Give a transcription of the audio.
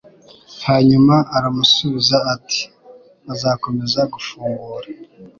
Hanyuma aramusubiza ati Bazakomeza gufungura